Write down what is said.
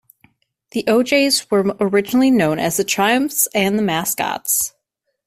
The O'Jays were originally known as The Triumphs and The Mascots.